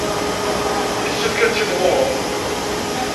Yessefk ad timɣurem.